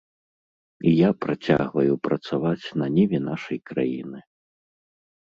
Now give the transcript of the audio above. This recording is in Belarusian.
І я працягваю працаваць на ніве нашай краіны.